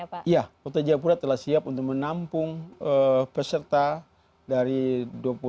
ya dan artinya bahwa nanti diperkirakan bahwa kota jayapura akan siap untuk menampung seluruh atlet dan juga masyarakat yang akan datang ke sana ya pak